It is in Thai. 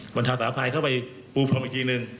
บรรทาสาภัยเข้าไปปูพรมอีกทีหนึ่ง